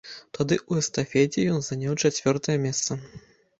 Тады ў эстафеце ён заняў чацвёртае месца.